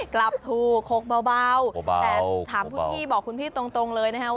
กลับถูกหกเบาแต่ถามคุณพี่บอกคุณพี่ตรงเลยนะครับ